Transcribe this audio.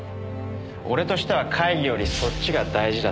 俺としては会議よりそっちが大事だったわけ。